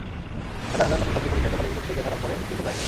হাজার হাজার ছাত্রছাত্রী পরীক্ষায় টোকাটুকি করতে গিয়ে ধরা পড়ে জেলে যায়।